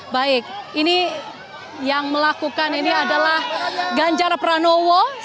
baik ini yang melakukan ini adalah ganjar pranowo